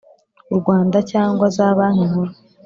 u rwanda cyangwa za banki nkuru